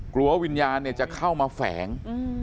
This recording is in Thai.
กลัววิญญาณจะเข้ามาแฝง